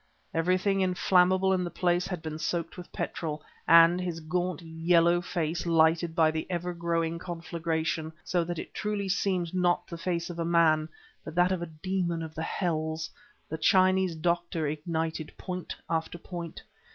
Everything inflammable in the place had been soaked with petrol, and, his gaunt, yellow face lighted by the evergrowing conflagration, so that truly it seemed not the face of a man, but that of a demon of the hells, the Chinese doctor ignited point after point....